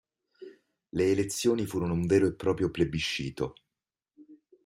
Le elezioni furono un vero e proprio plebiscito.